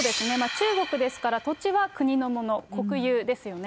中国ですから、土地は国のもの、国有ですよね。